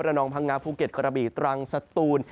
นองพังงาภูเก็ตกระบีตรังสตูน